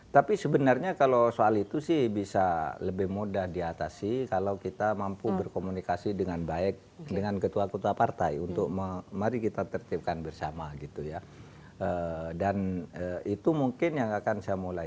tapi sebenarnya kalau soal itu sih bisa lebih mudah diatasi kalau kita mampu berkomunikasi dengan baik dengan ketua ketua partai untuk mari kita tertipkan bersama gitu ya dan itu mungkin yang akan saya mulai